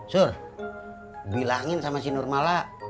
sur bilangin sama si nurmala